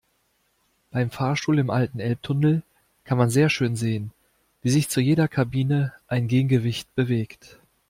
Beim Fahrstuhl im alten Elbtunnel kann man sehr schön sehen, wie sich zu jeder Kabine ein Gegengewicht bewegt.